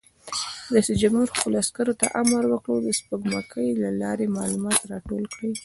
رئیس جمهور خپلو عسکرو ته امر وکړ؛ د سپوږمکۍ له لارې معلومات راټول کړئ!